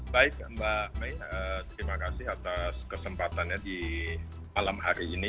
baik mbak mei terima kasih atas kesempatannya di malam hari ini